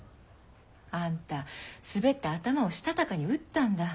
あんた滑って頭をしたたかに打ったんだ。